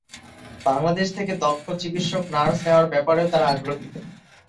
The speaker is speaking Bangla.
বাংলাদেশ থেকে দক্ষ চিকিৎসক, নার্স নেওয়ার ব্যাপারেও তারা আগ্রহী।